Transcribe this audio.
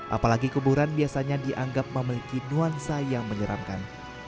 apalagi kuburan biasanya dianggap memiliki nuansa yang menyeramkan